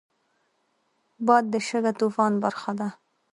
باد د شګهطوفان برخه ده